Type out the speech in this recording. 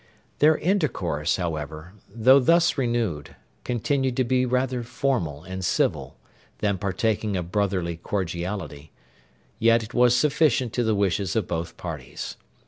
Their intercourse, however, though thus renewed, continued to be rather formal and civil than partaking of brotherly cordiality; yet it was sufficient to the wishes of both parties.